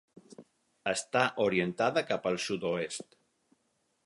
Està orientada cap al sud-oest.